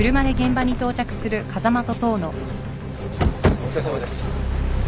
お疲れさまです。